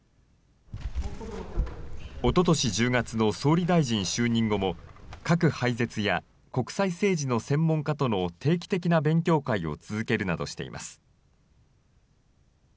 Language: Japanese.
おととし１０月の総理大臣就任後も、核廃絶や国際政治の専門家との定期的な勉強会を続けるなどしています。